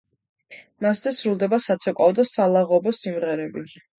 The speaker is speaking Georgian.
მასზე სრულდება საცეკვაო და სალაღობო სიმღერები.